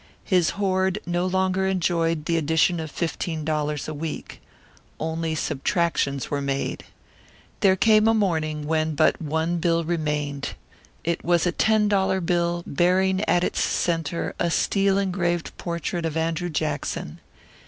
His hoard no longer enjoyed the addition of fifteen dollars a week. Only subtractions were made. There came a morning when but one bill remained. It was a ten dollar bill, bearing at its centre a steel engraved portrait of Andrew Jackson.